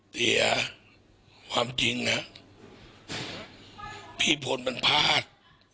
เสียความจริงนะพี่พลมันพลาด